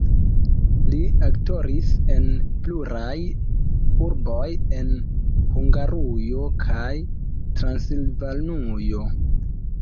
Li aktoris en pluraj urboj en Hungarujo kaj Transilvanujo.